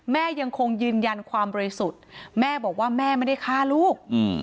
แม่ยังคงยืนยันความบริสุทธิ์แม่บอกว่าแม่ไม่ได้ฆ่าลูก